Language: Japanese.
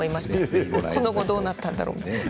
この後どうなったんだろう。